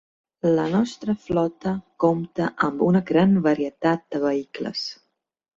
La nostra flota compta amb una gran varietat de vehicles.